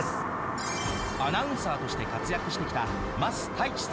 アナウンサーとして活躍してきた桝太一さん。